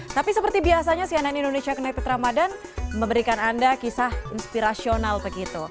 tapi seperti biasanya cnn indonesia connected ramadan memberikan anda kisah inspirasional begitu